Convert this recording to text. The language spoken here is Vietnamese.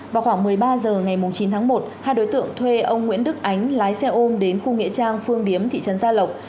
vào khoảng một mươi ba h ngày chín tháng một hai đối tượng thuê ông nguyễn đức ánh lái xe ôm đến khu nghệ trang phương điếm thị trấn gia lộc